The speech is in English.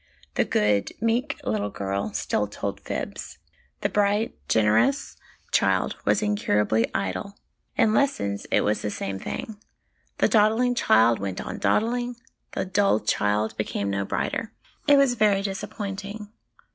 The good, meek little girl still told fibs. The bright, generous child was incurably idle. In lessons it was the same thing ; the dawdling child went on dawdling, the dull child became no brighter. It was very dis appointing.